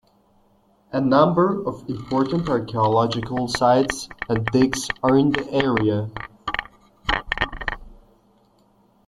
A number of important archeological sites and digs are in the area.